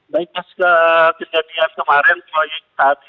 baik pas kejadian kemarin proyek tadi